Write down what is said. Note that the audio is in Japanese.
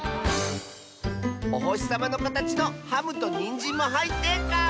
おほしさまのかたちのハムとにんじんもはいってかわいい！